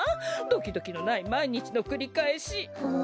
ドキドキのないまいにちのくりかえし。